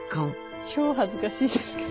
超恥ずかしいですけど。